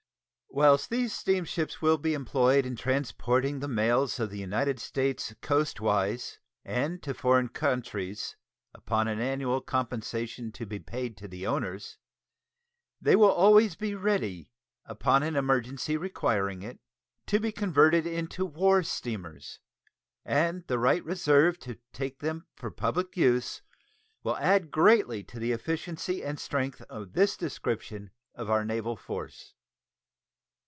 Whilst these steamships will be employed in transporting the mails of the United States coastwise and to foreign countries upon an annual compensation to be paid to the owners, they will be always ready, upon an emergency requiring it, to be converted into war steamers; and the right reserved to take them for public use will add greatly to the efficiency and strength of this description of our naval force.